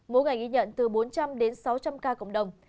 mỗi ngày ghi nhận từ bốn trăm linh đến sáu trăm linh ca cộng đồng